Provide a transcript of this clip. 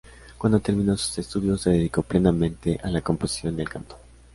Cuando terminó sus estudios, se dedicó plenamente a la composición y al canto.